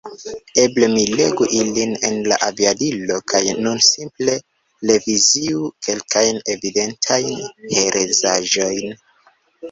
Eble mi legu ilin en la aviadilo kaj nun simple reviziu kelkajn evidentajn herezaĵojn.